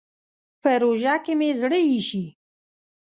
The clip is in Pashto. په روژه کې مې زړه اېشي.